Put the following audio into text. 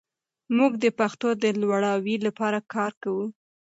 موږ د پښتو د لوړاوي لپاره کار کوو.